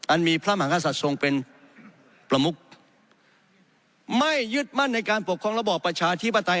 มีพระมหากษัตริย์ทรงเป็นประมุกไม่ยึดมั่นในการปกครองระบอบประชาธิปไตย